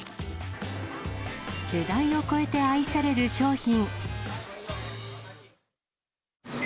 世代を超えて愛される商品。